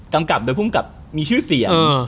กำกับโดยภูมิกับมีชื่อเสียง